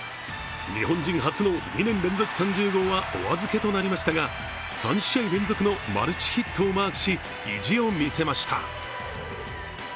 日本人初の２年連続３０号はお預けとなりましたが３試合連続のマルチヒットをマークし、意地を見せました。